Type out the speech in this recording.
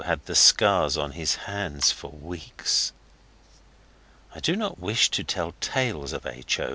had the scars on his hands for weeks. I do not wish to tell tales of H. O.